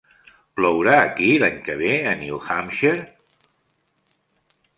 Plourà aquí l'any que ve a New Hampshire?